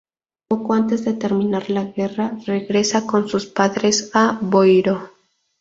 Poco antes de terminar la guerra, regresa con sus padres a Boiro.